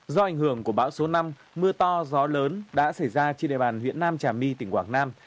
do ảnh hưởng của bão số năm mưa to gió lớn đã xảy ra trên địa bàn huyện nam trà my tỉnh quảng nam